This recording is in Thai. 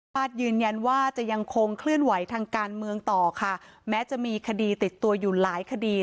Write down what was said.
ยืนยันว่าจะยังคงเคลื่อนไหวทางการเมืองต่อค่ะแม้จะมีคดีติดตัวอยู่หลายคดี